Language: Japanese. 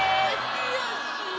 悔しい！